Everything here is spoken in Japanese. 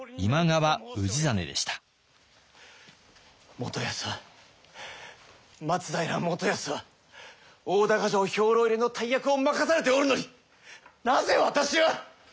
元康は松平元康は大高城兵糧入れの大役を任されておるのになぜ私は！